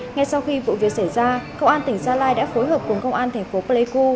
ngay sau khi vụ việc xảy ra công an tỉnh gia lai đã phối hợp cùng công an thành phố pleiku